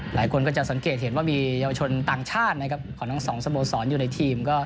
หลายคนก็จะสังเกตเห็นว่ามีเยาวชนต่างชาตินะครับของทั้งสองสโมสรอยู่ในทีม